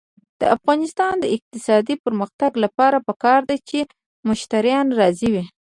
د افغانستان د اقتصادي پرمختګ لپاره پکار ده چې مشتریان راضي وي.